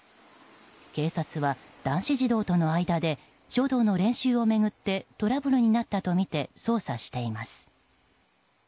警察は男子児童との間で書道の練習を巡ってトラブルになったとみて捜査しています。